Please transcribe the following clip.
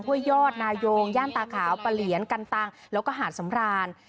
ห้วยยอดนายงย่านตาขาวปะเหลียนกันตังแล้วก็หาดสำราน